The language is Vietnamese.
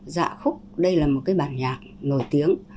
dạ khúc đây là một cái bản nhạc nổi tiếng